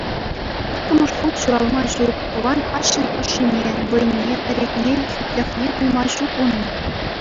Иккӗмӗш хут ҫуралма ҫук, тӑван ашшӗн ӑшшине, вӑйне, тӗрекне, хӳтлӗхне туйма ҫук унӑн.